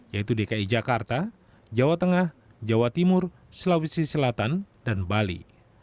yaitu dki jakarta jawa tengah jawa timur sulawesi selatan dan bali